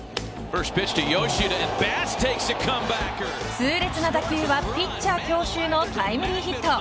痛烈な打球はピッチャー強襲のタイムリーヒット。